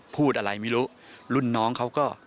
พูดอะไรไม่รู้รุ่นน้องเขาก็